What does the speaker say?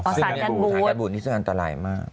อ๋อสารกันบูดสารกันบูดนี่ซึ่งอันตรายมาก